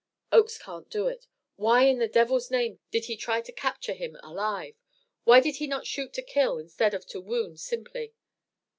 "Oakes can't do it. Why, in the devil's name, did he try to capture him alive? Why did he not shoot to kill instead of to wound simply?"